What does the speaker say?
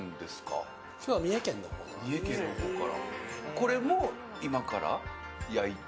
これも今から焼いて？